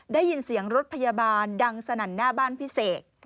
ได้ยินเสียงรถพยาบาลดังสนั่นหน้าบ้านพิเศษ